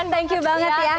thank you banget ya